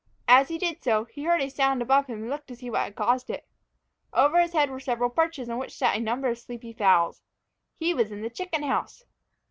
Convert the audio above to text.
As he did so, he heard a sound above him and looked up to see what had caused it. Over his head were several perches on which sat a number of sleepy fowls. He was in the chicken house!